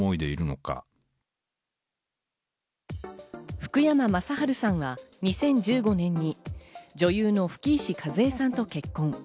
福山雅治さんは２０１５年に女優の吹石一恵さんと結婚。